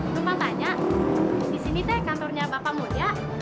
lupa tanya disini kan kantornya bapak mulya